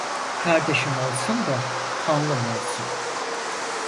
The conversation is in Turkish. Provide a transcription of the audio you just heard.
Kardeşim olsun da kanlım olsun.